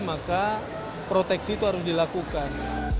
maka proteksi itu harus dilakukan